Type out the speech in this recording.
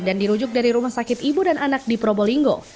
dan dirujuk dari rumah sakit ibu dan anak di probolinggo